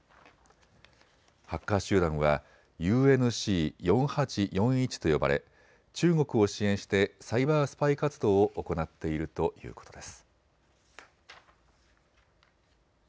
ハッカー集団はＵＮＣ４８４１と呼ばれ中国を支援してサイバースパイ活動を行っているということです。